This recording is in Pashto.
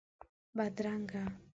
بدرنګه